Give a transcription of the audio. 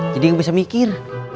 jadi nggak bisa mikir